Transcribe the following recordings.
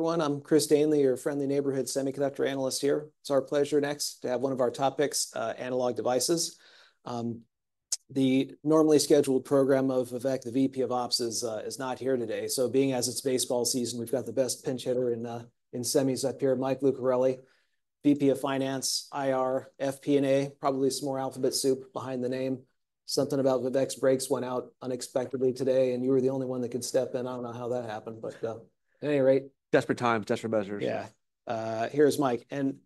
Everyone, I'm Chris Danely, your friendly neighborhood Semiconductor Analyst here. It's our pleasure next to have one of our topics, Analog Devices. The normally scheduled point of contact, the VP of Ops is not here today. So being as it's baseball season, we've got the best pinch hitter in semis up here, Mike Lucarelli, VP of Finance, IR, FP&A, probably some more alphabet soup behind the name. Something about the Vex brakes went out unexpectedly today, and you were the only one that could step in. I don't know how that happened, but at any rate. Desperate times, desperate measures. Yeah. Here's Mike. And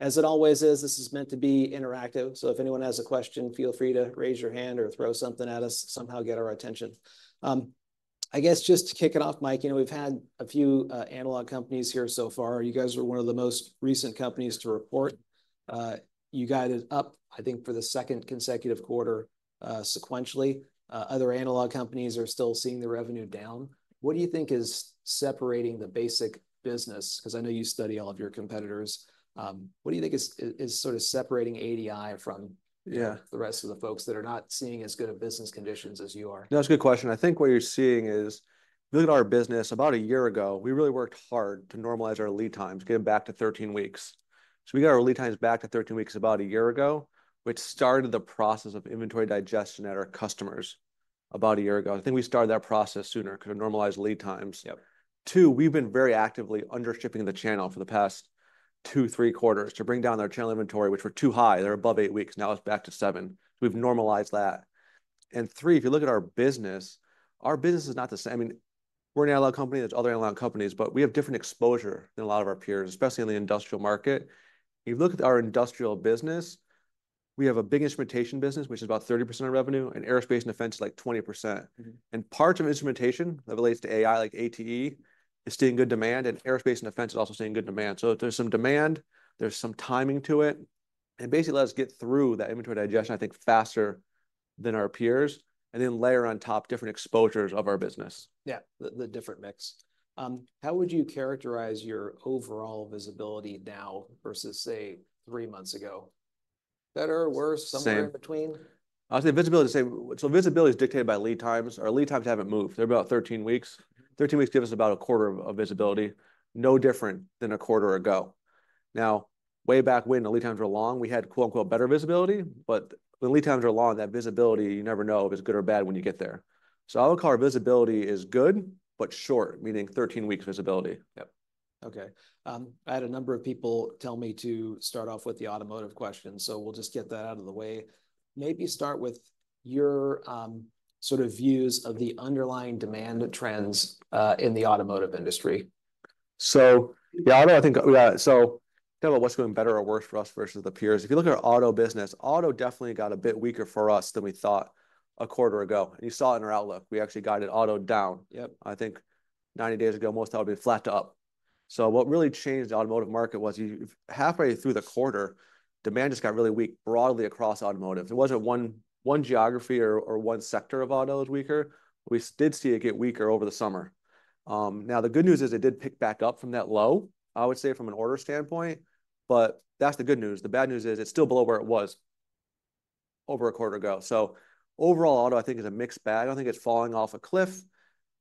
as it always is, this is meant to be interactive, so if anyone has a question, feel free to raise your hand or throw something at us, somehow get our attention. I guess just to kick it off, Mike, you know, we've had a few analog companies here so far. You guys are one of the most recent companies to report. You guys are up, I think, for the second consecutive quarter sequentially. Other analog companies are still seeing their revenue down. What do you think is separating the basic business? 'Cause I know you study all of your competitors. What do you think is sort of separating ADI from the rest of the folks that are not seeing as good of business conditions as you are? No, it's a good question. I think what you're seeing is, if you look at our business, about a year ago, we really worked hard to normalize our lead times, get them back to 13 weeks. So we got our lead times back to 13 weeks about a year ago, which started the process of inventory digestion at our customers about a year ago. I think we started that process sooner, could have normalized lead times. Two, we've been very actively under shipping the channel for the past two, three quarters to bring down their channel inventory, which were too high. They were above eight weeks, now it's back to seven. So we've normalized that. And three, if you look at our business, our business is not the same. I mean, we're an analog company, there's other analog companies, but we have different exposure than a lot of our peers, especially in the industrial market. If you look at our industrial business, we have a big instrumentation business, which is about 30% of revenue, and Aerospace and Defense is, like, 20%. Parts of instrumentation that relates to AI, like ATE, is seeing good demand, and aerospace and defense is also seeing good demand. So there's some demand, there's some timing to it, and basically let us get through that inventory digestion, I think, faster than our peers, and then layer on top different exposures of our business. Yeah, the different mix. How would you characterize your overall visibility now versus, say, three months ago? Better, worse somewhere in between? Same. I'd say visibility is the same. So visibility is dictated by lead times. Our lead times haven't moved. They're about thirteen weeks. Thirteen weeks give us about a quarter of visibility, no different than a quarter ago. Now, way back when the lead times were long, we had, quote, unquote, "better visibility," but when lead times are long, that visibility, you never know if it's good or bad when you get there. So I would call our visibility as good but short, meaning thirteen weeks visibility. Yep. Okay. I had a number of people tell me to start off with the automotive question, so we'll just get that out of the way. Maybe start with your sort of views of the underlying demand trends in the automotive industry. So yeah, I think, so kind of what's going better or worse for us versus the peers. If you look at our auto business, auto definitely got a bit weaker for us than we thought a quarter ago. You saw it in our outlook. We actually guided auto down. Yep. I think 90 days ago, most thought it would be flat to up. So what really changed the automotive market was halfway through the quarter, demand just got really weak broadly across automotive. It wasn't one geography or one sector of auto that was weaker. We did see it get weaker over the summer. Now, the good news is it did pick back up from that low, I would say, from an order standpoint, but that's the good news. The bad news is it's still below where it was over a quarter ago. So overall, auto, I think, is a mixed bag. I don't think it's falling off a cliff.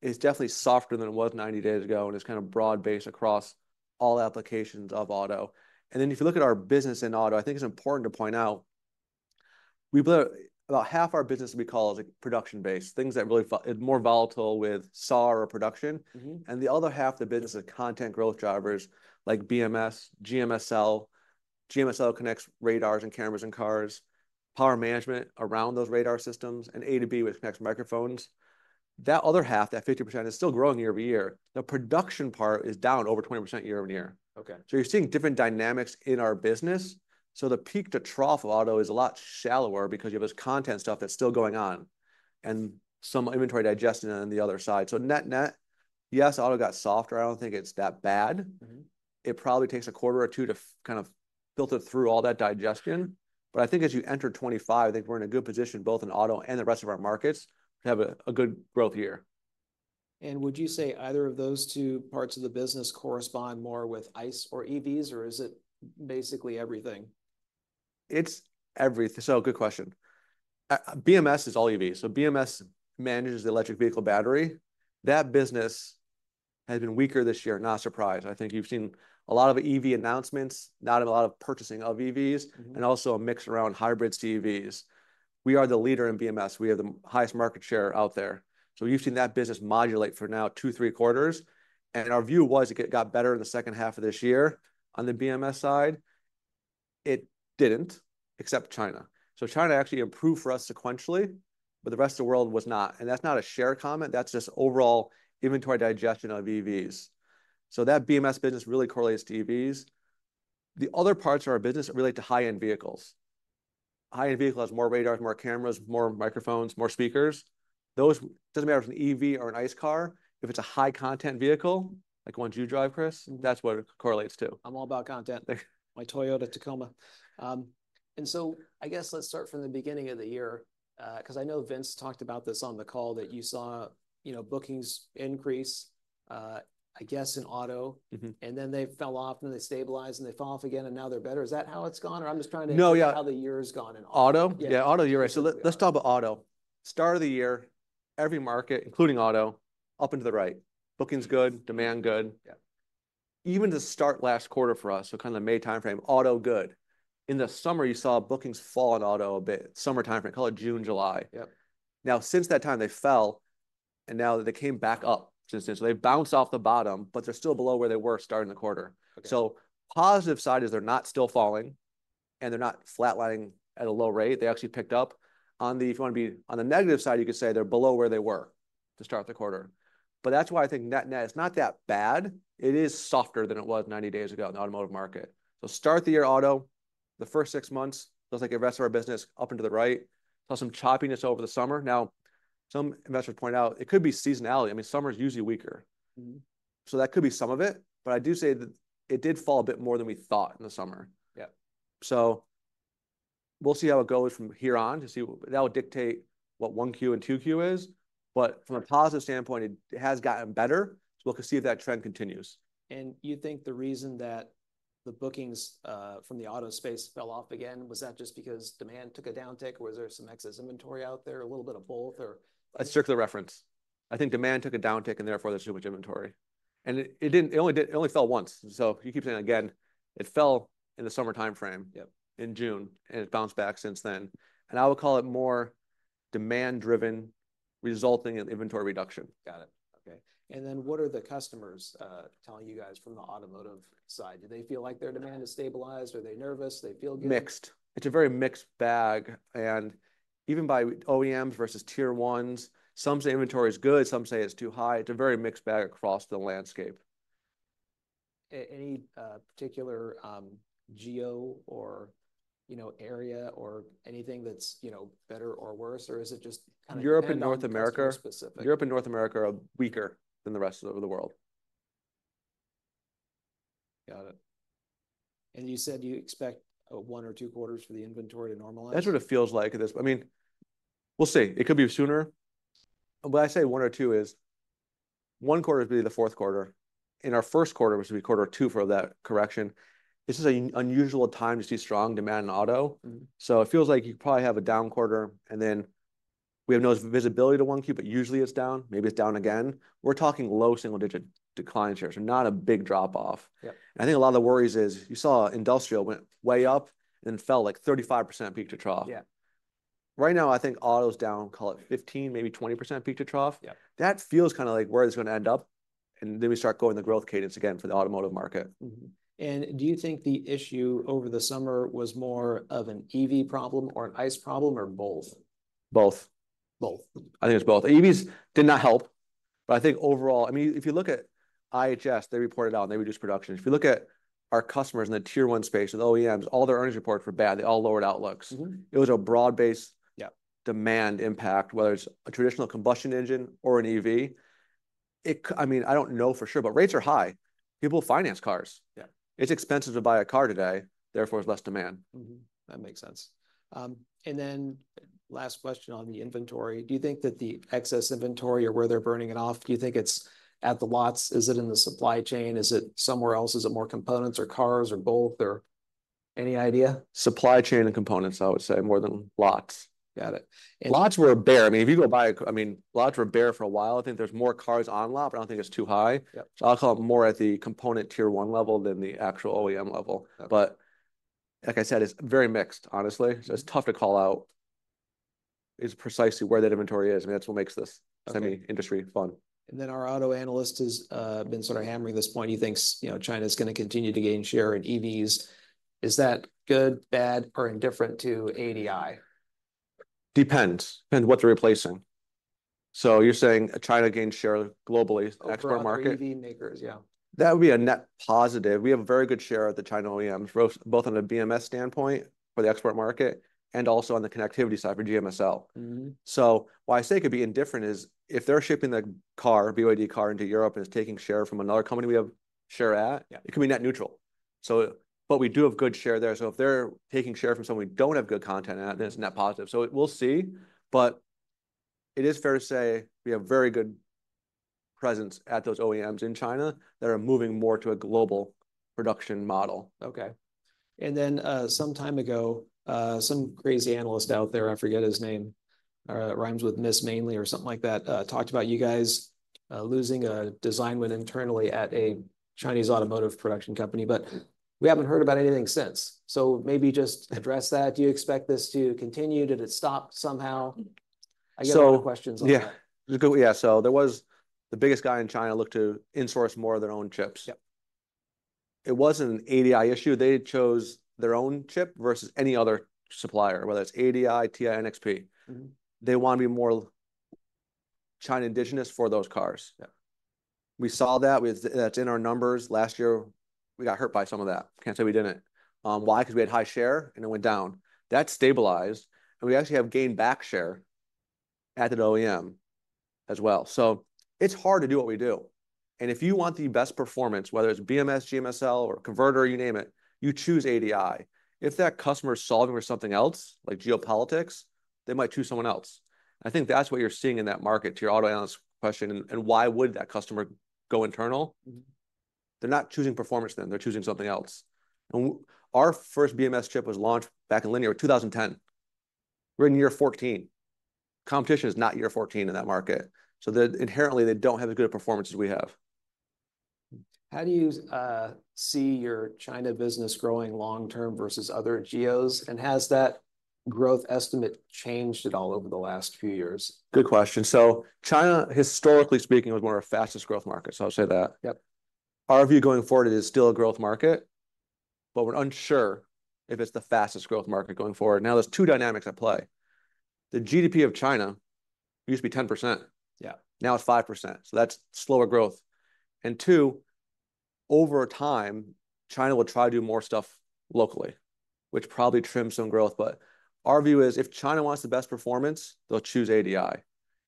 It's definitely softer than it was ninety days ago, and it's kind of broad-based across all applications of auto. And then, if you look at our business in auto, I think it's important to point out, about half our business we call as, like, production-based, things that really more volatile with SAR or production. Mm-hmm. And the other half of the business is content growth drivers like BMS, GMSL. GMSL connects radars and cameras in cars, power management around those radar systems, and A²B, which connects microphones. That other half, that 50%, is still growing year-over-year. The production part is down over 20% year-over-year. Okay. You're seeing different dynamics in our business. The peak-to-trough of auto is a lot shallower because you have this content stuff that's still going on and some inventory digestion on the other side. Net-net, yes, auto got softer. I don't think it's that bad. Mm-hmm. It probably takes a quarter or two to kind of filter through all that digestion. But I think as you enter 2025, I think we're in a good position, both in auto and the rest of our markets, to have a good growth year. Would you say either of those two parts of the business correspond more with ICE or EVs, or is it basically everything? So, good question. BMS is all EVs. So BMS manages the electric vehicle battery. That business has been weaker this year. Not a surprise. I think you've seen a lot of EV announcements, not a lot of purchasing of EVs. Mm-hmm... and also a mix around hybrid CVEs. We are the leader in BMS. We have the highest market share out there. So you've seen that business modulate for now two, three quarters, and our view was it got better in the second half of this year on the BMS side. It didn't, except China. So China actually improved for us sequentially, but the rest of the world was not, and that's not a share comment, that's just overall inventory digestion of EVs. So that BMS business really correlates to EVs. The other parts of our business relate to high-end vehicles. High-end vehicle has more radars, more cameras, more microphones, more speakers. Those, doesn't matter if it's an EV or an ICE car, if it's a high-content vehicle, like ones you drive, Chris- Mm-hmm... that's what it correlates to. I'm all about content. My Toyota Tacoma. And so I guess let's start from the beginning of the year, 'cause I know Vince talked about this on the call, that you saw, you know, bookings increase, I guess, in auto. Mm-hmm. And then they fell off, and they stabilized, and they fell off again, and now they're better. Is that how it's gone, or I'm just trying to- No, yeah... how the year has gone in auto. Auto? Yeah. Yeah, auto, you're right. So let's talk about auto. Start of the year, every market, including auto, up and to the right. Bookings good, demand good. Yeah. Even at the start of last quarter for us, so kind of May timeframe, auto good. In the summer, you saw bookings fall in auto a bit, summer timeframe, call it June, July. Yep. Now, since that time, they fell, and now they came back up since then. So they bounced off the bottom, but they're still below where they were starting the quarter. Okay. So the positive side is they're not still falling, and they're not flatlining at a low rate. They actually picked up. On the negative side, you could say they're below where they were to start the quarter. But that's why I think net, net, it's not that bad. It is softer than it was 90 days ago in the automotive market. So start the year, auto, the first six months, just like the rest of our business, up and to the right. Saw some choppiness over the summer. Now, some investors point out it could be seasonality. I mean, summer's usually weaker. Mm-hmm. So that could be some of it, but I do say that it did fall a bit more than we thought in the summer. Yeah. So we'll see how it goes from here on to see. That will dictate what one Q and two Q is. But from a positive standpoint, it has gotten better, so we'll see if that trend continues. You think the reason that the bookings from the auto space fell off again was that just because demand took a downtick, or was there some excess inventory out there, a little bit of both, or? A circular reference. I think demand took a downtick, and therefore, there's too much inventory, and it only fell once, so you keep saying again. It fell in the summer timeframe- Yep... in June, and it bounced back since then, and I would call it more demand driven, resulting in inventory reduction. Got it. Okay. And then what are the customers telling you guys from the automotive side? Do they feel like their demand has stabilized? Are they nervous? They feel good? Mixed. It's a very mixed bag, and even by OEMs versus Tier Ones, some say inventory is good, some say it's too high. It's a very mixed bag across the landscape. Any particular geo or, you know, area or anything that's, you know, better or worse, or is it just kind of- Europe and North America - specific. Europe and North America are weaker than the rest of the world. Got it. And you said you expect, one or two quarters for the inventory to normalize? That's what it feels like at this... I mean, we'll see. It could be sooner, but I say one or two is, one quarter is maybe the fourth quarter, and our first quarter, which would be quarter two for that correction. This is an unusual time to see strong demand in auto. Mm-hmm. So it feels like you probably have a down quarter, and then we have no visibility to 1Q, but usually it's down. Maybe it's down again. We're talking low single-digit decline shares, so not a big drop-off. Yep. I think a lot of the worries is, you saw industrial went way up and then fell, like, 35% peak to trough. Yeah. Right now, I think auto's down, call it 15%, maybe 20% peak to trough. Yep. That feels kind of like where it's going to end up, and then we start growing the growth cadence again for the automotive market. Mm-hmm. And do you think the issue over the summer was more of an EV problem or an ICE problem or both? Both. Both. I think it's both. EVs did not help, but I think overall... I mean, if you look at IHS, they reported out, and they reduced production. If you look at our customers in the Tier One space with OEMs, all their earnings reports were bad. They all lowered outlooks. Mm-hmm. It was a broad-based. Yeah demand impact, whether it's a traditional combustion engine or an EV. I mean, I don't know for sure, but rates are high. People finance cars. Yeah. It's expensive to buy a car today. Therefore, there's less demand. Mm-hmm. That makes sense. And then last question on the inventory, do you think that the excess inventory or where they're burning it off, do you think it's at the lots? Is it in the supply chain? Is it somewhere else? Is it more components or cars or both or any idea? Supply chain and components, I would say, more than lots. Got it. And- Lots were bare. I mean, if you go buy a car, I mean, lots were bare for a while. I think there's more cars on lot, but I don't think it's too high. Yep. So I'll call it more at the component Tier One level than the actual OEM level. Okay. But like I said, it's very mixed, honestly. So it's tough to call out, is precisely where that inventory is, and that's what makes this- Okay... semi industry fun. And then our auto analyst has been sort of hammering this point. He thinks, you know, China's going to continue to gain share in EVs. Is that good, bad, or indifferent to ADI? Depends. Depends what they're replacing. So you're saying China gains share globally, the export market? Overall EV makers, yeah. That would be a net positive. We have a very good share at the China OEMs, both on a BMS standpoint for the export market and also on the connectivity side for GMSL. Mm-hmm. So why I say it could be indifferent is if they're shipping the car, BYD car into Europe, and it's taking share from another company we have share at- Yeah... it could be net neutral. So, but we do have good share there, so if they're taking share from someone we don't have good content at, then it's net positive. So we'll see, but it is fair to say we have very good presence at those OEMs in China that are moving more to a global production model. Okay. And then, some time ago, some crazy analyst out there, I forget his name, it rhymes with Miss Mainley or something like that, talked about you guys losing a design win internally at a Chinese automotive production company, but we haven't heard about anything since. So maybe just address that. Do you expect this to continue? Did it stop somehow? So- I get a lot of questions on that. Yeah, so the biggest guy in China looked to insource more of their own chips. Yep. It wasn't an ADI issue. They chose their own chip versus any other supplier, whether it's ADI, TI, NXP. Mm-hmm. They want to be more China indigenous for those cars. Yeah. We saw that. We- that's in our numbers. Last year, we got hurt by some of that. Can't say we didn't. Why? 'Cause we had high share, and it went down. That stabilized, and we actually have gained back share at that OEM as well. So it's hard to do what we do, and if you want the best performance, whether it's BMS, GMSL, or converter, you name it, you choose ADI. If that customer's solving for something else, like geopolitics, they might choose someone else. I think that's what you're seeing in that market, to your auto analyst question, and, and why would that customer go internal? Mm-hmm. They're not choosing performance then, they're choosing something else. And our first BMS chip was launched back in Linear, 2010. We're in 2014. Competition is not 2014 in that market, so they, inherently, they don't have as good a performance as we have. How do you see your China business growing long-term versus other geos? And has that growth estimate changed at all over the last few years? Good question. So China, historically speaking, was one of our fastest growth markets, I'll say that. Yep. Our view going forward, it is still a growth market, but we're unsure if it's the fastest growth market going forward. Now, there's two dynamics at play. The GDP of China used to be 10%. Yeah. Now it's 5%, so that's slower growth. And two, over time, China will try to do more stuff locally, which probably trims some growth. But our view is, if China wants the best performance, they'll choose ADI.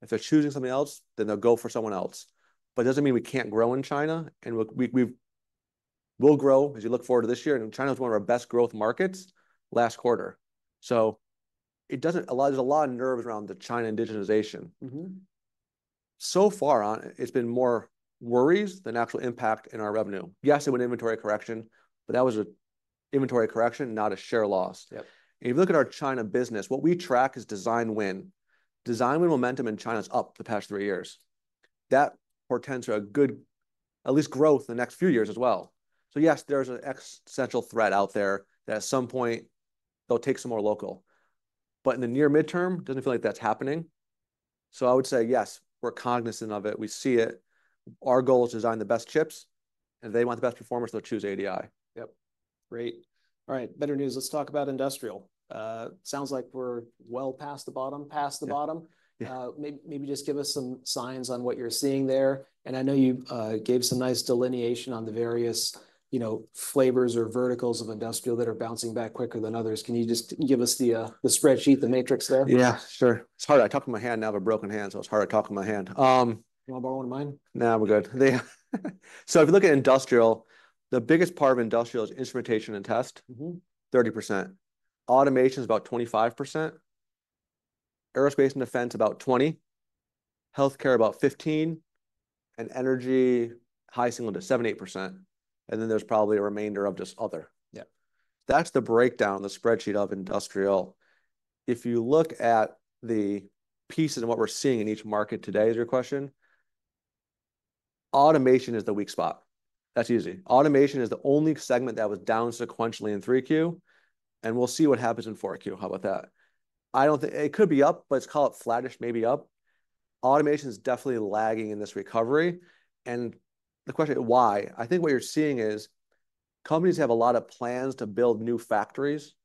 If they're choosing something else, then they'll go for someone else. But it doesn't mean we can't grow in China, and we'll grow, as you look forward to this year, and China was one of our best growth markets last quarter. So it doesn't allow. There's a lot of nerves around the China indigenization. Mm-hmm. So far, it's been more worries than actual impact on our revenue. Yes, it was an inventory correction, but that was an inventory correction, not a share loss. Yep. If you look at our China business, what we track is design win. Design win momentum in China is up the past three years. That portends to a good, at least, growth in the next few years as well. So yes, there's an existential threat out there that at some point they'll take some more local. But in the near midterm, doesn't feel like that's happening. So I would say, yes, we're cognizant of it. We see it. Our goal is to design the best chips, and if they want the best performance, they'll choose ADI. Yep, great. All right, better news. Let's talk about industrial. Sounds like we're well past the bottom. Yeah. Maybe just give us some signs on what you're seeing there. And I know you gave some nice delineation on the various, you know, flavors or verticals of industrial that are bouncing back quicker than others. Can you just give us the spreadsheet, the matrix there? Yeah, sure. It's hard. I talk with my hand, and I have a broken hand, so it's hard to talk with my hand. You want to borrow one of mine? Nah, we're good. So if you look at industrial, the biggest part of industrial is instrumentation and test. Mm-hmm. 30%. Automation is about 25%; aerospace and defense, about 20%; healthcare, about 15%; and energy, high single digits, 7%-8%, and then there's probably a remainder of just other. Yeah. That's the breakdown on the spreadsheet of industrial. If you look at the pieces and what we're seeing in each market today, is your question? Automation is the weak spot. That's easy. Automation is the only segment that was down sequentially in 3Q, and we'll see what happens in 4Q. How about that? I don't think... It could be up, but let's call it flattish, maybe up. Automation is definitely lagging in this recovery, and the question is, why? I think what you're seeing is companies have a lot of plans to build new factories,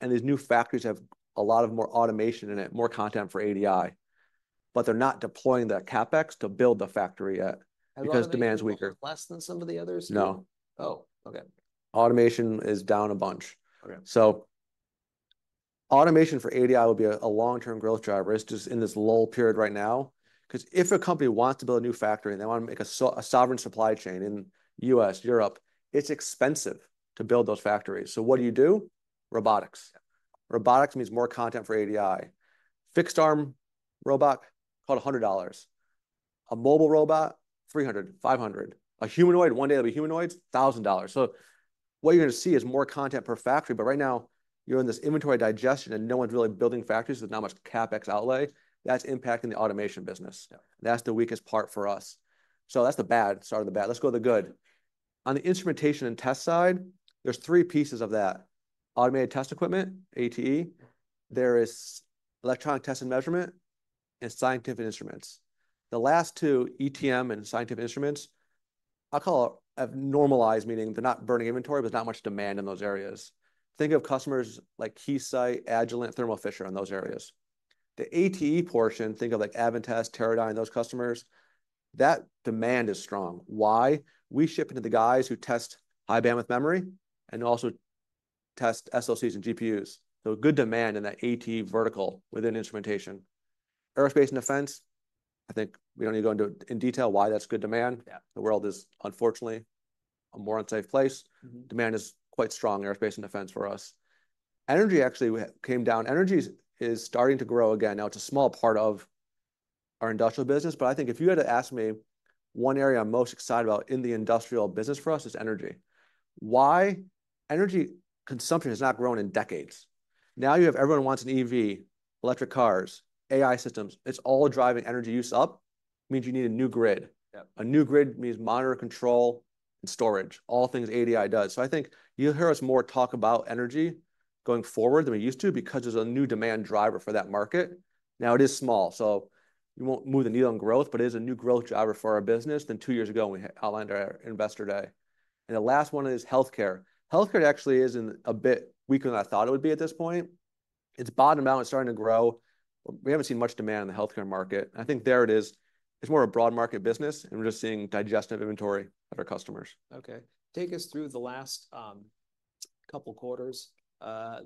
and these new factories have a lot of more automation in it, more content for ADI, but they're not deploying that CapEx to build the factory yet because demand is weaker. Less than some of the others? No. Oh, okay. Automation is down a bunch. Okay. So automation for ADI will be a long-term growth driver. It's just in this lull period right now, 'cause if a company wants to build a new factory and they want to make a sovereign supply chain in U.S., Europe, it's expensive to build those factories. So what do you do? Robotics. Yeah. Robotics means more content for ADI. Fixed-arm robot, about $100. A mobile robot, $300-$500. A humanoid, one day there'll be humanoids, $1,000. So what you're going to see is more content per factory, but right now, you're in this inventory digestion, and no one's really building factories. There's not much CapEx outlay. That's impacting the automation business. Yeah. That's the weakest part for us. So that's the bad, start of the bad. Let's go to the good. On the instrumentation and test side, there's three pieces of that: automated test equipment, ATE; there is electronic test and measurement; and scientific instruments. The last two, ETM and scientific instruments, I call it, have normalized, meaning they're not burning inventory, but there's not much demand in those areas. Think of customers like Keysight, Agilent, Thermo Fisher in those areas. The ATE portion, think of, like, Advantest, Teradyne, those customers. That demand is strong. Why? We ship into the guys who test high-bandwidth memory and also test SoCs and GPUs, so good demand in that ATE vertical within instrumentation. Aerospace and defense, I think we don't need to go into it in detail why that's good demand. Yeah. The world is, unfortunately, a more unsafe place. Mm-hmm. Demand is quite strong in aerospace and defense for us. Energy actually came down. Energy is starting to grow again. Now, it's a small part of our industrial business, but I think if you had to ask me one area I'm most excited about in the industrial business for us, it's energy. Why? Energy consumption has not grown in decades. Now, you have everyone wants an EV, electric cars, AI systems. It's all driving energy use up. Means you need a new grid. Yeah. A new grid means monitor, control, and storage, all things ADI does. So I think you'll hear us more talk about energy going forward than we used to because there's a new demand driver for that market. Now, it is small, so you won't move the needle on growth, but it is a new growth driver for our business than two years ago when we outlined our Investor Day. And the last one is healthcare. Healthcare actually is a bit weaker than I thought it would be at this point. It's bottomed out and starting to grow. We haven't seen much demand in the healthcare market. I think there it is, it's more a broad market business, and we're just seeing digesting inventory of our customers. Okay. Take us through the last couple quarters,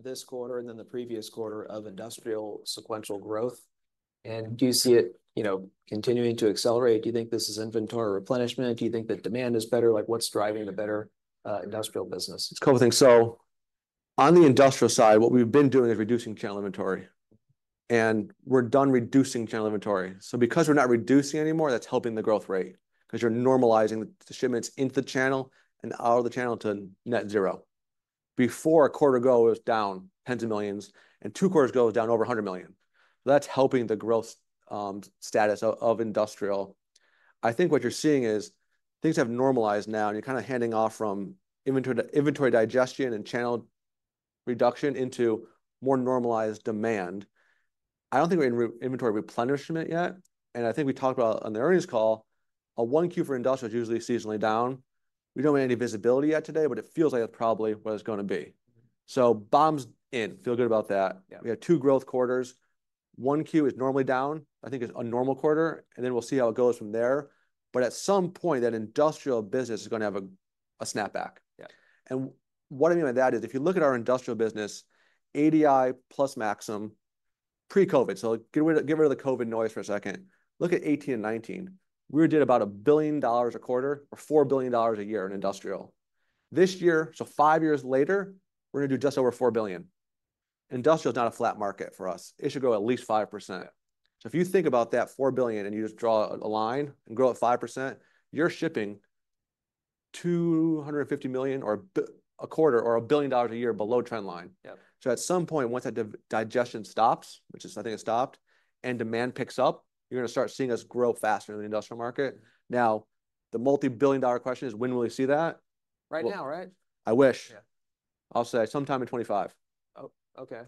this quarter and then the previous quarter of industrial sequential growth. And do you see it, you know, continuing to accelerate? Do you think this is inventory replenishment? Do you think that demand is better? Like, what's driving the better industrial business? It's a couple things. On the industrial side, what we've been doing is reducing channel inventory, and we're done reducing channel inventory. So because we're not reducing anymore, that's helping the growth rate, 'cause you're normalizing the shipments into the channel and out of the channel to net zero. Before, a quarter ago, it was down tens of millions, and two quarters ago, it was down over $100 million. So that's helping the growth status of industrial. I think what you're seeing is things have normalized now, and you're kind of handing off from inventory to inventory digestion and channel reduction into more normalized demand. I don't think we're in inventory replenishment yet, and I think we talked about on the earnings call, a one Q for industrial is usually seasonally down. We don't have any visibility yet today, but it feels like that's probably what it's going to be. So bottom's in. Feel good about that. Yeah. We had two growth quarters. One Q is normally down. I think it's a normal quarter, and then we'll see how it goes from there. But at some point, that industrial business is going to have a snapback. Yeah. What I mean by that is, if you look at our industrial business, ADI plus Maxim, pre-COVID, so get rid of the COVID noise for a second, look at 2018 and 2019. We did about $1 billion a quarter or $4 billion a year in industrial. This year, so five years later, we're going to do just over $4 billion. Industrial is not a flat market for us. It should grow at least 5%. So if you think about that $4 billion, and you just draw a line and grow at 5%, you're shipping 250 million a quarter or $1 billion a year below trend line. Yep. So at some point, once that digestion stops, which is, I think it's stopped, and demand picks up, you're going to start seeing us grow faster in the industrial market. Now, the multi-billion dollar question is: When will we see that? Right now, right? I wish. Yeah. I'll say sometime in 2025. Oh, okay.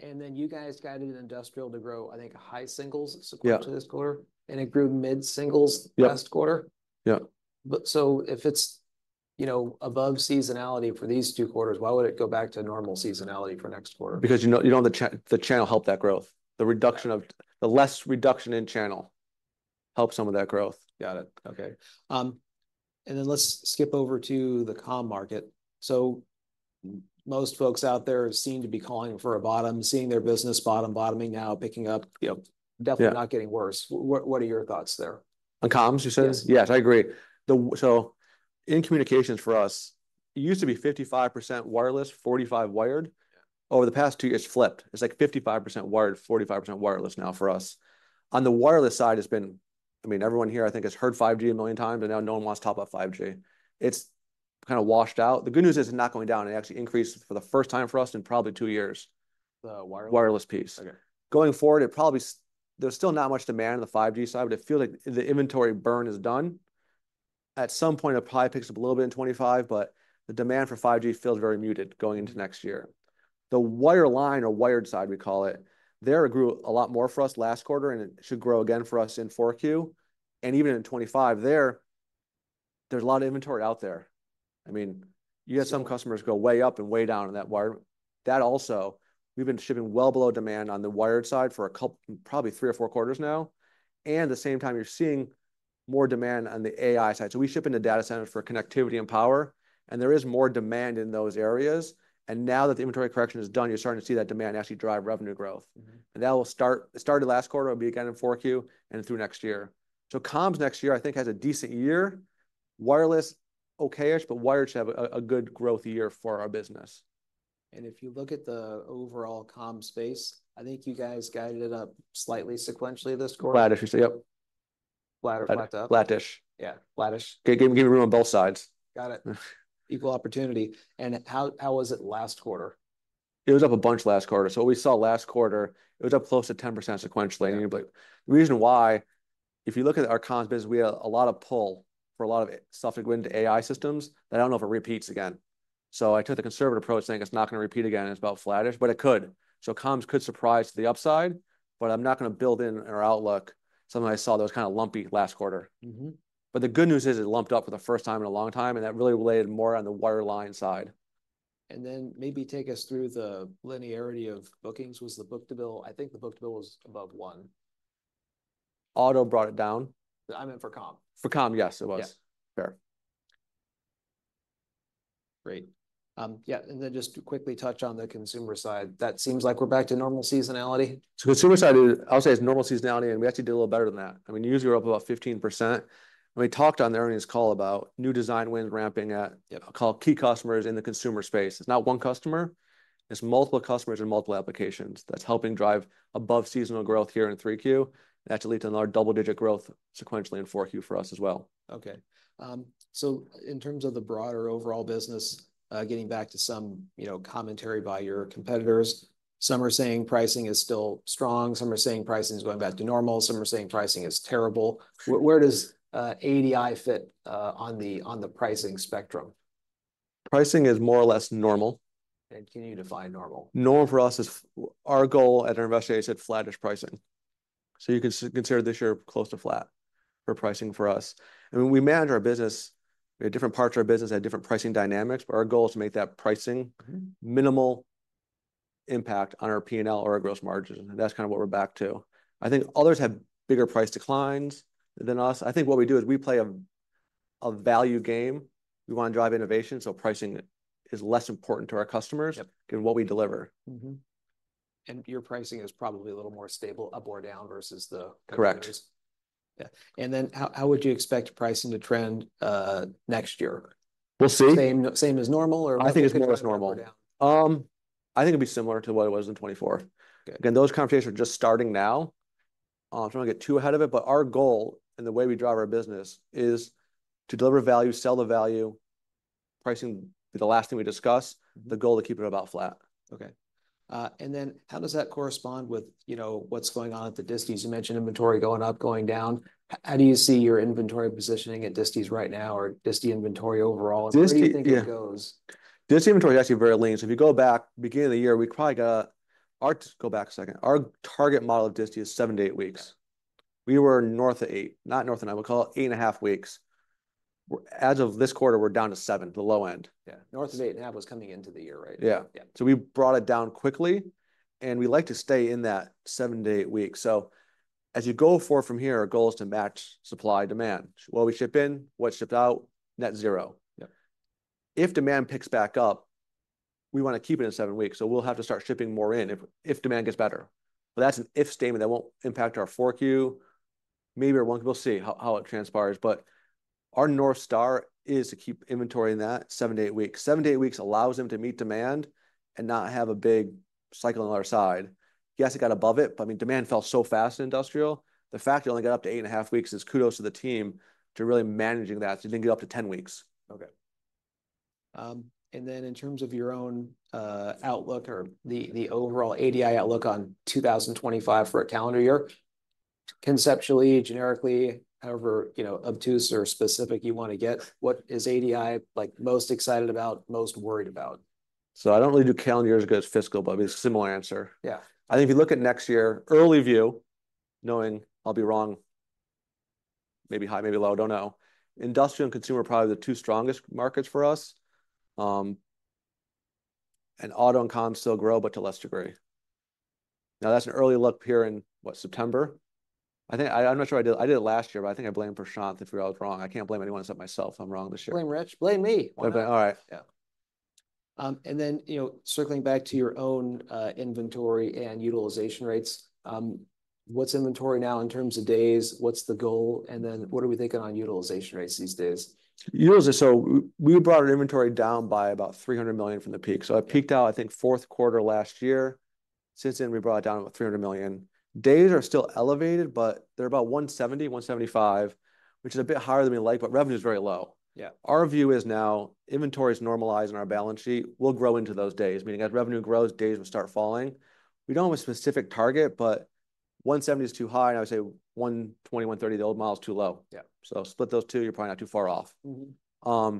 And then you guys guided industrial to grow, I think, high singles- Yeah... sequentially this quarter, and it grew mid-singles- Yeah... last quarter. Yeah. But so if it's, you know, above seasonality for these two quarters, why would it go back to normal seasonality for next quarter? Because you know, the channel helped that growth. The less reduction in channel helped some of that growth. Got it. Okay. And then let's skip over to the comm market. So most folks out there seem to be calling for a bottom, seeing their business bottoming now, picking up- Yep... definitely- Yeah... not getting worse. What, what are your thoughts there? On comms, you said? Yes. Yes, I agree. In communications for us, it used to be 55% wireless, 45% wired. Yeah. Over the past two years, it's flipped. It's like 55% wired, 45% wireless now for us. On the wireless side, it's been... I mean, everyone here, I think, has heard 5G a million times, and now no one wants to talk about 5G. It's kind of washed out. The good news is, it's not going down. It actually increased for the first time for us in probably two years. The wireless? Wireless piece. Okay. Going forward, it probably there's still not much demand on the 5G side, but I feel like the inventory burn is done. At some point, it probably picks up a little bit in 2025, but the demand for 5G feels very muted going into next year. The wire line or wired side, we call it, there it grew a lot more for us last quarter, and it should grow again for us in Q4. And even in 2025, there, there's a lot of inventory out there. I mean, you have some customers go way up and way down on that wire. That also, we've been shipping well below demand on the wired side for probably three or four quarters now, and at the same time, you're seeing more demand on the AI side. So we ship into data centers for connectivity and power, and there is more demand in those areas, and now that the inventory correction is done, you're starting to see that demand actually drive revenue growth. Mm-hmm. And that will start. It started last quarter. It'll be again in 4Q and through next year. So, comms next year, I think, has a decent year. Wireless, okay-ish, but wired should have a good growth year for our business. If you look at the overall comm space, I think you guys guided it up slightly sequentially this quarter. Flatish, yep. Flat or flat up? Flatish. Yeah, flatish. Give me room on both sides. Got it. Equal opportunity. And how was it last quarter? It was up a bunch last quarter, so what we saw last quarter, it was up close to 10% sequentially. Yeah. And the reason why, if you look at our comms business, we had a lot of pull for a lot of stuff to go into AI systems, and I don't know if it repeats again. So I took the conservative approach, saying it's not going to repeat again, and it's about flattish, but it could. So comms could surprise to the upside, but I'm not going to build in our outlook something I saw that was kind of lumpy last quarter. Mm-hmm. But the good news is, it ramped up for the first time in a long time, and that really related more on the wireline side. And then maybe take us through the linearity of bookings. Was the book-to-bill? I think the book-to-bill was above one. Auto brought it down. I meant for comm. For comm, yes, it was. Yeah. Fair. Great. Yeah, and then just to quickly touch on the consumer side, that seems like we're back to normal seasonality? So consumer side is, I would say, normal seasonality, and we actually did a little better than that. I mean, year-over-year we're up about 15%, and we talked on the earnings call about new design wins ramping at- Yeah... I'll call it, key customers in the consumer space. It's not one customer; it's multiple customers and multiple applications that's helping drive above-seasonal growth here in 3Q. That should lead to another double-digit growth sequentially in 4Q for us as well. Okay, so in terms of the broader overall business, getting back to some, you know, commentary by your competitors, some are saying pricing is still strong, some are saying pricing is going back to normal, some are saying pricing is terrible. Sure. Where does ADI fit on the pricing spectrum? Pricing is more or less normal. Can you define normal? Normally for us is our goal at our investor day is flattish pricing. So you can consider this year close to flat for pricing for us. I mean, we manage our business, different parts of our business at different pricing dynamics, but our goal is to make that pricing. Mm-hmm... minimal impact on our PNL or our gross margin, and that's kind of what we're back to. I think others have bigger price declines than us. I think what we do is we play a value game. We want to drive innovation, so pricing is less important to our customers- Yep... than what we deliver. Mm-hmm... and your pricing is probably a little more stable, up or down, versus the- Correct. Yeah. And then how would you expect pricing to trend next year? We'll see. Same, same as normal, or I think it's more as normal. up or down? I think it'll be similar to what it was in 2024. Okay. Again, those conversations are just starting now. I'm trying not to get too ahead of it, but our goal, and the way we drive our business, is to deliver value, sell the value. Pricing will be the last thing we discuss. The goal to keep it about flat. Okay. And then how does that correspond with, you know, what's going on at the disties? You mentioned inventory going up, going down. How do you see your inventory positioning at disties right now or distie inventory overall? Distie, yeah- Where do you think it goes? Distie inventory is actually very lean. So if you go back, beginning of the year, our target model of distie is seven to eight weeks. Yeah. We were north of eight, not north of eight, we'll call it eight and a half weeks. As of this quarter, we're down to seven, the low end. Yeah. North of eight and a half was coming into the year, right? Yeah. Yeah. So we brought it down quickly, and we like to stay in that seven-to-eight-week. As you go forward from here, our goal is to match supply, demand. What we ship in, what's shipped out, net zero. Yeah. If demand picks back up, we want to keep it in seven weeks, so we'll have to start shipping more in if demand gets better. But that's an if statement that won't impact our 4Q. Maybe at one, we'll see how it transpires, but our North Star is to keep inventory in that seven to eight weeks. Seven to eight weeks allows them to meet demand and not have a big cycle on our side. Yes, it got above it, but, I mean, demand fell so fast in industrial, the fact it only got up to eight and a half weeks is kudos to the team to really managing that, so it didn't get up to ten weeks. Okay. And then in terms of your own outlook or the overall ADI outlook on 2025 for a calendar year, conceptually, generically, however you know, obtuse or specific you want to get, what is ADI like most excited about, most worried about? So I don't really do calendar years as good as fiscal, but it'll be a similar answer. Yeah. I think if you look at next year, early view, knowing I'll be wrong, maybe high, maybe low, I don't know, industrial and consumer are probably the two strongest markets for us. And auto and comms still grow, but to a less degree. Now, that's an early look here in, what, September? I think, I'm not sure I did it. I did it last year, but I think I blamed Prashanth if we were all wrong. I can't blame anyone except myself if I'm wrong this year. Blame Rich. Blame me, why not? All right. Yeah. And then, you know, circling back to your own inventory and utilization rates, what's inventory now in terms of days? What's the goal? And then what are we thinking on utilization rates these days? Utilization, so we brought our inventory down by about $300 million from the peak. So it peaked out, I think, fourth quarter last year. Since then, we brought it down about $300 million. Days are still elevated, but they're about 170-175, which is a bit higher than we like, but revenue is very low. Yeah. Our view is now inventory is normalized on our balance sheet. We'll grow into those days, meaning as revenue grows, days will start falling. We don't have a specific target, but 170 is too high, and I would say 120, 130, the old model, is too low. Yeah. So split those two, you're probably not too far off. Mm-hmm.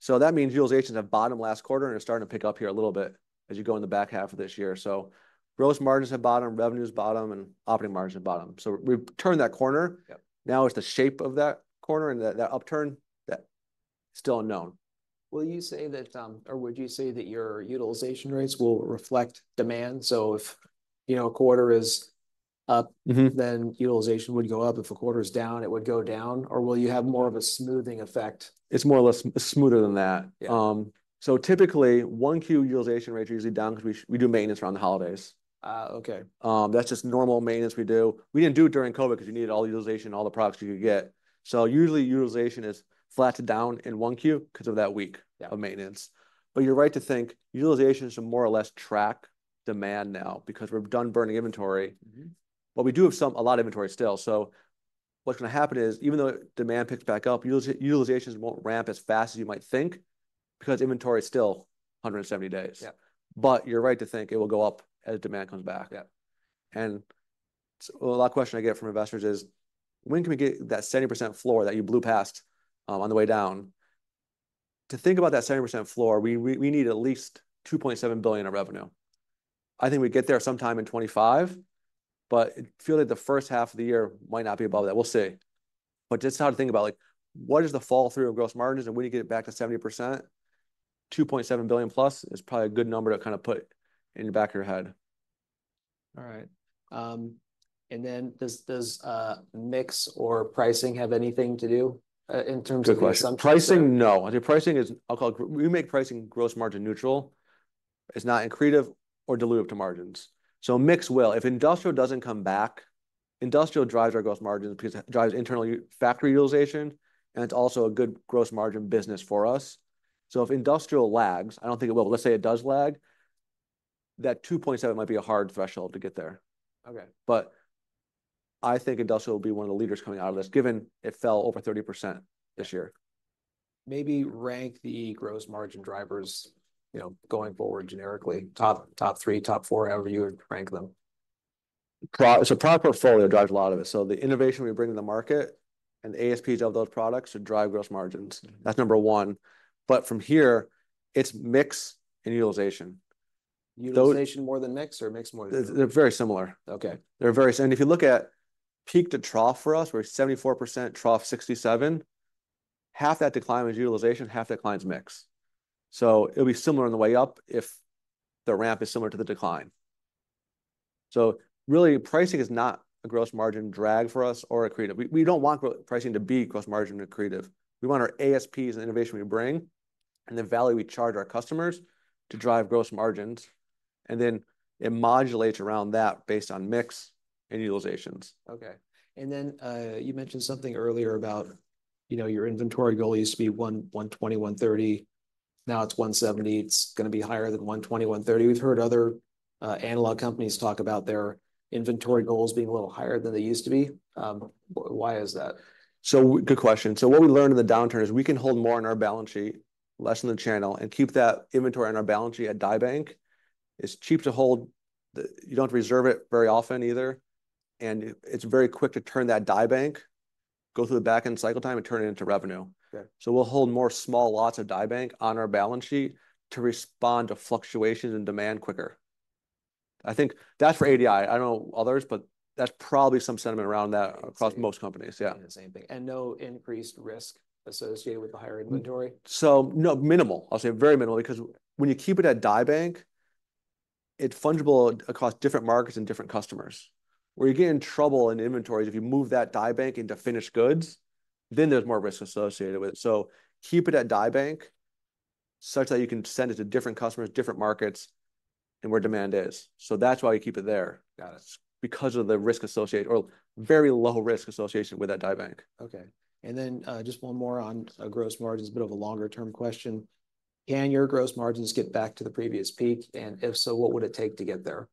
So that means utilizations have bottomed last quarter and are starting to pick up here a little bit as you go in the back half of this year. So gross margins have bottomed, revenue's bottomed, and operating margins have bottomed. So we've turned that corner. Yep. Now, it's the shape of that corner and that upturn that- Still unknown. Will you say that, or would you say that your utilization rates will reflect demand? So if, you know, a quarter is up- Mm-hmm... then utilization would go up, if a quarter is down, it would go down, or will you have more of a smoothing effect? It's more or less smoother than that. Yeah. Typically, one Q utilization rate is usually down because we do maintenance around the holidays. Uh, okay. That's just normal maintenance we do. We didn't do it during COVID because you needed all the utilization, all the products you could get. So usually, utilization is flat to down in one Q because of that week- Yeah... of maintenance. But you're right to think utilization should more or less track demand now because we're done burning inventory. Mm-hmm. But we do have some, a lot of inventory still, so what's going to happen is, even though demand picks back up, utilizations won't ramp as fast as you might think because inventory is still 170 days. Yeah. But you're right to think it will go up as demand comes back. Yeah. So a lot of question I get from investors is: "When can we get that 70% floor that you blew past on the way down?" To think about that 70% floor, we need at least $2.7 billion in revenue. I think we get there sometime in 2025, but I feel that the first half of the year might not be above that. We'll see. But just how to think about, like, what is the fall-through of gross margins, and when you get it back to 70%, $2.7 billion-plus is probably a good number to kind of put in the back of your head. All right. And then does mix or pricing have anything to do in terms of the assumption? Good question. Pricing, no. I think pricing is... I'll call it. We make pricing gross margin neutral. It's not accretive or dilutive to margins. So mix will. If industrial doesn't come back, industrial drives our gross margins because it drives internal factory utilization, and it's also a good gross margin business for us. So if industrial lags, I don't think it will, but let's say it does lag, that two point seven might be a hard threshold to get there. Okay. But I think industrial will be one of the leaders coming out of this, given it fell over 30% this year. Maybe rank the gross margin drivers, you know, going forward generically. Top, top three, top four, however you would rank them. So product portfolio drives a lot of it. So the innovation we bring to the market and the ASPs of those products should drive gross margins. Mm-hmm. That's number one. But from here, it's mix and utilization. Those- Utilization more than mix, or mix more than- They're very similar. Okay. They're very, and if you look at peak to trough for us, we're at 74%, trough 67%. Half that decline is utilization, half that decline is mix. So it'll be similar on the way up if the ramp is similar to the decline. So really, pricing is not a gross margin drag for us or accretive. We don't want pricing to be gross margin accretive. We want our ASPs and innovation we bring and the value we charge our customers to drive gross margins, and then it modulates around that based on mix and utilizations. Okay. And then, you mentioned something earlier about, you know, your inventory goal used to be 120, 130, now it's 170. It's going to be higher than 120, 130. We've heard other analog companies talk about their inventory goals being a little higher than they used to be. Why is that? Good question. What we learned in the downturn is we can hold more on our balance sheet, less in the channel, and keep that inventory on our balance sheet at die bank. It's cheap to hold. You don't reserve it very often either, and it, it's very quick to turn that die bank, go through the back-end cycle time, and turn it into revenue. Okay. So we'll hold more small lots of die bank on our balance sheet to respond to fluctuations in demand quicker. I think that's for ADI. I don't know others, but that's probably some sentiment around that. I see. Across most companies, yeah. The same thing. And no increased risk associated with the higher inventory? So, no, minimal. I'll say very minimal because when you keep it at die bank, it's fungible across different markets and different customers. Where you get in trouble in inventories, if you move that die bank into finished goods, then there's more risk associated with it. So keep it at die bank such that you can send it to different customers, different markets, and where demand is. So that's why you keep it there- Got it... because of the risk associated or very low risk associated with that die bank. Okay. And then, just one more on gross margins, a bit of a longer-term question. Can your gross margins get back to the previous peak? And if so, what would it take to get there?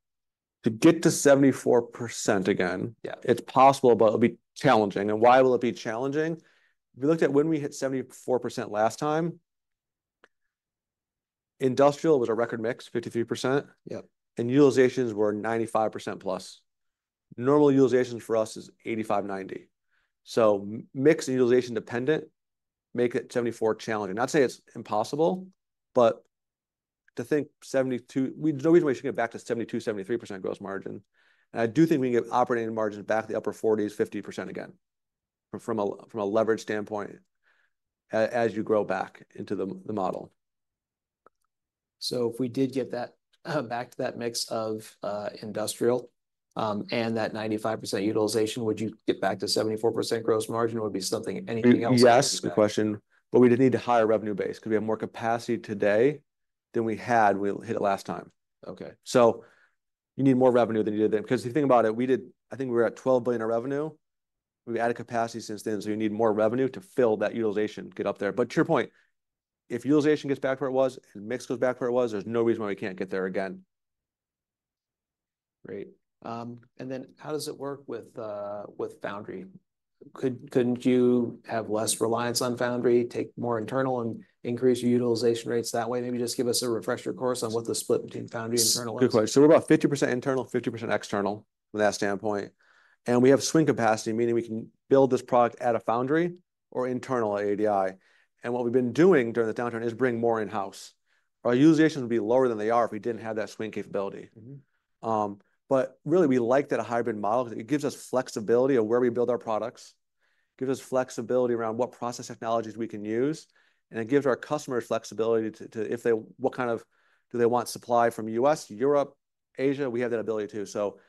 To get to 74% again- Yeah... it's possible, but it'll be challenging. And why will it be challenging? If we looked at when we hit 74% last time, industrial was a record mix, 53%. Yep. Utilizations we 95%+. Normal utilizations for us is 85-90. So mix and utilization dependent make it 74% challenging. Not saying it's impossible, but to think 72%. We, there's no reason why we should get back to 72%-73% gross margin. And I do think we can get operating margins back to the upper 40s-50% again from a leverage standpoint as you grow back into the model. So if we did get that, back to that mix of, industrial, and that 95% utilization, would you get back to 74% gross margin, or would be something, anything else- Yes, good question. to get back? But we'd need a higher revenue base because we have more capacity today than we had when we hit it last time. Okay. So you need more revenue than you did then. Because if you think about it, we did, I think we were at $12 billion in revenue. We've added capacity since then, so you need more revenue to fill that utilization to get up there. But to your point, if utilization gets back to where it was and mix goes back to where it was, there's no reason why we can't get there again. Great. And then how does it work with foundry? Couldn't you have less reliance on foundry, take more internal and increase your utilization rates that way? Maybe just give us a refresher course on what the split between foundry internal is. Good question. We're about 50% internal, 50% external from that standpoint, and we have swing capacity, meaning we can build this product at a foundry or internal at ADI. What we've been doing during the downturn is bring more in-house. Our utilization would be lower than they are if we didn't have that swing capability. Mm-hmm. But really, we like that hybrid model because it gives us flexibility of where we build our products, gives us flexibility around what process technologies we can use, and it gives our customers flexibility to if they want supply from US, Europe, Asia. We have that ability, too. So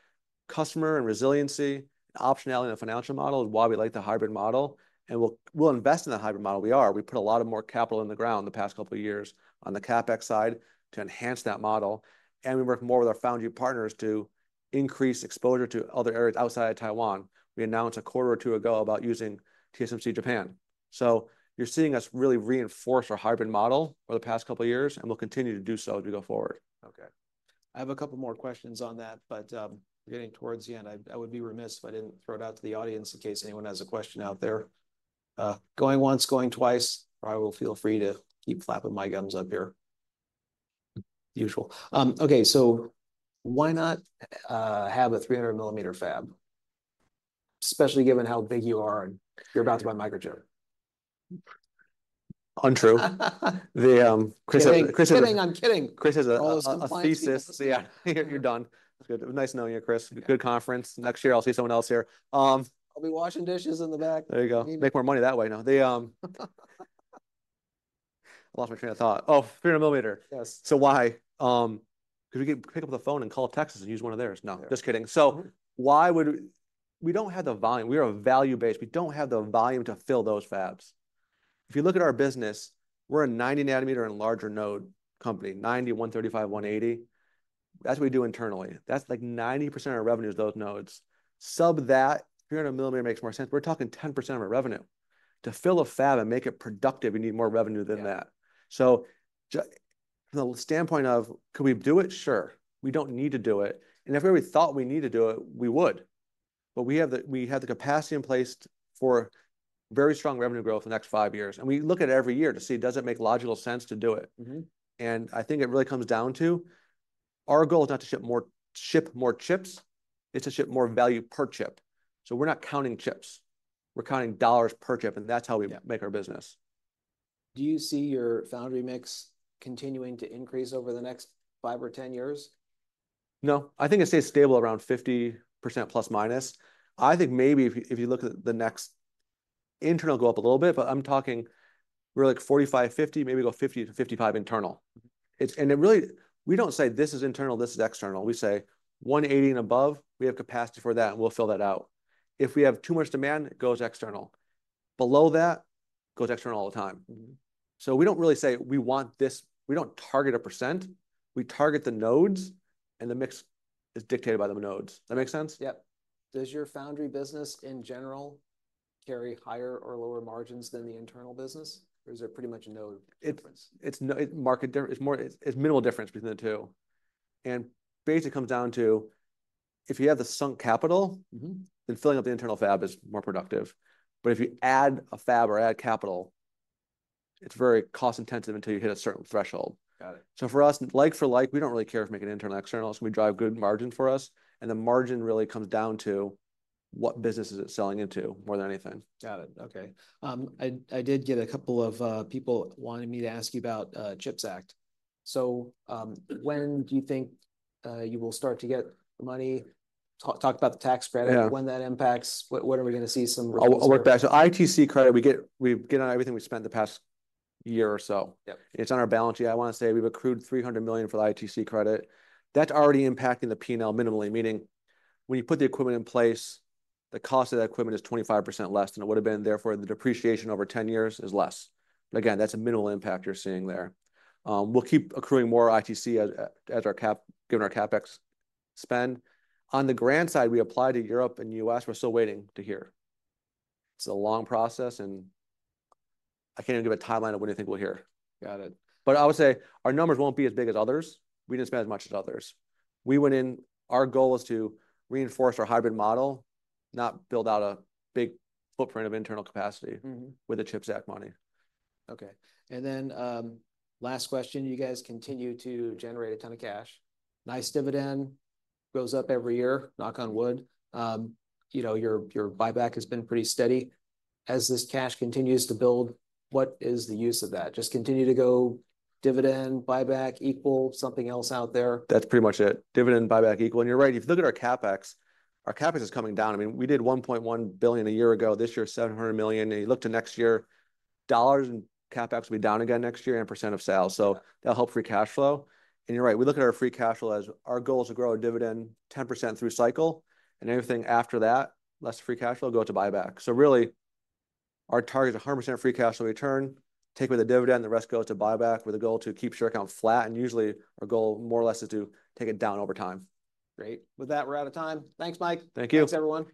customer and resiliency, optionality in the financial model is why we like the hybrid model, and we'll invest in that hybrid model. We are. We put a lot more capital in the ground the past couple of years on the CapEx side to enhance that model, and we work more with our foundry partners to increase exposure to other areas outside of Taiwan. We announced a quarter or two ago about using TSMC Japan. So you're seeing us really reinforce our hybrid model over the past couple of years, and we'll continue to do so as we go forward. Okay. I have a couple more questions on that, but we're getting towards the end. I would be remiss if I didn't throw it out to the audience in case anyone has a question out there. Going once, going twice, or I will feel free to keep flapping my gums up here. Okay, so why not have a 300mm fab, especially given how big you are and you're about to buy Microchip? Untrue. The Chris I'm kidding. I'm kidding. Chris has a thesis. All those compliance people. Yeah, you're done. It's good. Nice knowing you, Chris. Yeah. Good conference. Next year, I'll see someone else here. I'll be washing dishes in the back. There you go. Maybe- Make more money that way, now. They, I lost my train of thought. Oh, 300mm. Yes. So why? Could we pick up the phone and call Texas and use one of theirs? Yeah. No, just kidding. Mm-hmm. Why would we? We don't have the volume. We are a value base. We don't have the volume to fill those fabs. If you look at our business, we're a 90nm and larger node company, 90, 135, 180. That's what we do internally. That's like 90% of our revenue is those nodes. Below that, 300mm makes more sense. We're talking 10% of our revenue. To fill a fab and make it productive, we need more revenue than that. Yeah. So from the standpoint of could we do it? Sure. We don't need to do it, and if we ever thought we need to do it, we would. But we have the capacity in place for very strong revenue growth the next five years, and we look at it every year to see, does it make logical sense to do it? Mm-hmm. And I think it really comes down to, our goal is not to ship more, ship more chips. It's to ship more value per chip. So we're not counting chips. We're counting dollars per chip, and that's how we- Yeah... make our business. Do you see your foundry mix continuing to increase over the next five or 10 years? No, I think it stays stable around 50%±. I think maybe if you look at the next internal go up a little bit, but I'm talking we're like 45, 50, maybe go 50 to 55 internal. And it really, we don't say, "This is internal, this is external." We say, "180 and above, we have capacity for that, and we'll fill that out. If we have too much demand, it goes external. Below that, goes external all the time. Mm-hmm. So, we don't really say, "We want this..." We don't target a percent. We target the nodes, and the mix is dictated by the nodes. That make sense? Yep. Does your foundry business, in general, carry higher or lower margins than the internal business, or is there pretty much no difference? It's minimal difference between the two. And basically, it comes down to if you have the sunk capital- Mm-hmm then filling up the internal fab is more productive. But if you add a fab or add capital, it's very cost-intensive until you hit a certain threshold. Got it. So for us, like for like, we don't really care if we make it internal or external, as long as we drive good margin for us, and the margin really comes down to what business is it selling into, more than anything. Got it. Okay. I did get a couple of people wanting me to ask you about CHIPS Act. So, when do you think you will start to get the money? Talk about the tax credit- Yeah... when that impacts. When, when are we going to see some return? I'll work back. So, ITC credit we get on everything we've spent the past year or so. Yep. It's on our balance sheet. I want to say we've accrued $300 million for the ITC credit. That's already impacting the P&L minimally, meaning when you put the equipment in place, the cost of that equipment is 25% less than it would've been. Therefore, the depreciation over 10 years is less. But again, that's a minimal impact you're seeing there. We'll keep accruing more ITC as our CapEx spend. On the grant side, we applied to Europe and U.S. We're still waiting to hear. It's a long process, and I can't even give a timeline of when I think we'll hear. Got it. But I would say our numbers won't be as big as others. We didn't spend as much as others. We went in... Our goal is to reinforce our hybrid model, not build out a big footprint of internal capacity- Mm-hmm... with the CHIPS Act money. Okay. And then, last question: You guys continue to generate a ton of cash. Nice dividend, goes up every year, knock on wood. You know, your buyback has been pretty steady. As this cash continues to build, what is the use of that? Just continue to go dividend, buyback equal, something else out there? That's pretty much it. Dividend and buyback equal. And you're right, if you look at our CapEx, our CapEx is coming down. I mean, we did $1.1 billion a year ago. This year, $700 million. And you look to next year, dollars in CapEx will be down again next year and % of sales, so that'll help free cash flow. And you're right, we look at our free cash flow as, our goal is to grow our dividend 10% through cycle, and anything after that, less free cash flow, go to buyback. So really, our target is 100% free cash on return. Take away the dividend, the rest goes to buyback, with the goal to keep share count flat, and usually, our goal, more or less, is to take it down over time. Great. With that, we're out of time. Thanks, Mike. Thank you. Thanks, everyone.